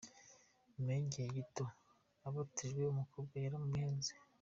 Nyuma y’igihe gito abatijwe umukobwa yaramubenze.